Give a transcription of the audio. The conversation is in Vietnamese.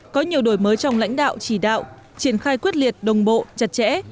có nhiều đổi mới trong lãnh đạo chỉ đạo triển khai quyết liệt đồng bộ chặt chẽ